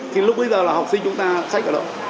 thì lúc bây giờ là học sinh chúng ta sách ở đâu